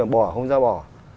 bỏ không ra bỏ